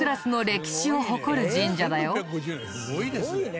すごいですね」